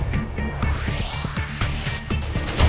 cantik banget sih sa